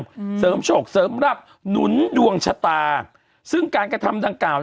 อืมเสริมโฉกเสริมรับหนุนดวงชะตาซึ่งการกระทำดังกล่าว